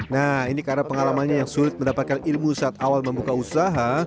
nah ini karena pengalamannya yang sulit mendapatkan ilmu saat awal membuka usaha